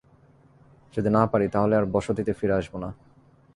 যদি না পারি, তাহলে আর বসতিতে ফিরে আসব না।